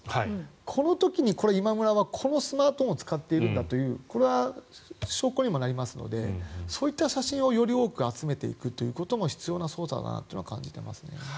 この時に今村はこのスマートフォンを使っているんだという証拠にもなりますのでそういった写真をより多く集めていくというのも必要な捜査だなというのは感じていますね。